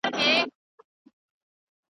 په یوه خېز د کوهي سرته سو پورته .